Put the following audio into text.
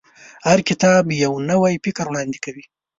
هر کتاب یو نوی فکر وړاندې کوي.